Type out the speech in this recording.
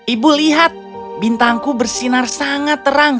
ibu lihat bintangku bersinar sangat terang